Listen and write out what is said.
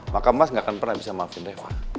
maka mas nggak akan pernah bisa maafin reva